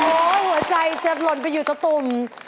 หัวใจจะหล่นไปอยู่ตะตุ่ม